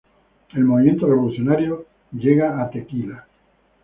El movimiento revolucionario llega a Tequila.